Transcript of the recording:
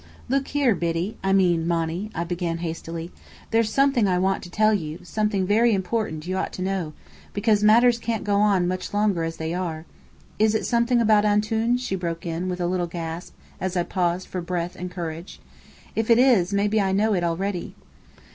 "Look here, Biddy, I mean Monny," I began hastily, "there's something I want to tell you, something very important you ought to know, because matters can't go on much longer as they are " "Is it something about 'Antoun'?" she broke in, with a little gasp, as I paused for breath and courage. "If it is, maybe I know it already!"